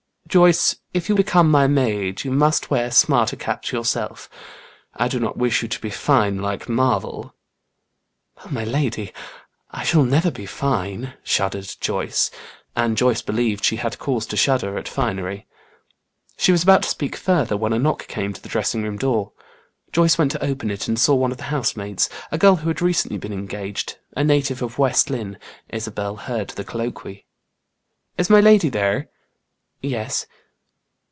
"Joyce, if you become my maid, you must wear smarter caps yourself. I do not wish you to be fine like Marvel." "Oh, my lady! I shall never be fine," shuddered Joyce. And Joyce believed she had cause to shudder at finery. She was about to speak further, when a knock came to the dressing room door. Joyce went to open it, and saw one of the housemaids, a girl who had recently been engaged, a native of West Lynne. Isabel heard the colloquy, "Is my lady there?" "Yes."